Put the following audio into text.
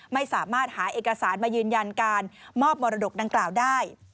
ไม่สามารถหาเอกสารมายืนยันการมอบมรดกดังกล่าวได้